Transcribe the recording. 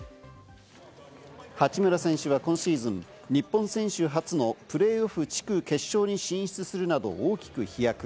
八村選手は今シーズン、日本選手初のプレーオフ地区決勝に進出するなど大きく飛躍。